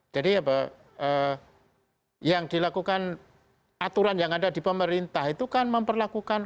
jadi ya pak yang dilakukan aturan yang ada di pemerintah itu kan memperlakukan